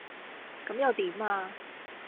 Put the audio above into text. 咁又點呀?